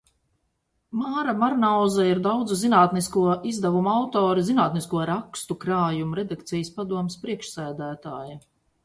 Māra Marnauza ir daudzu zinātnisko izdevumu autore, zinātnisko rakstu krājumu redakcijas padomes priekšsēdētāja.